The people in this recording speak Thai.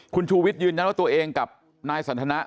คุณชูวิทย์ยืนยันว่าตัวเองกับนายสันทนะ